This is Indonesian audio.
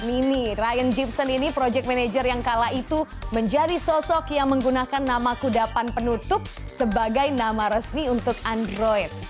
ini ryan gipson ini project manager yang kala itu menjadi sosok yang menggunakan nama kudapan penutup sebagai nama resmi untuk android